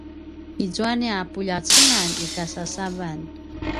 izua nia puljacengan i kacasavan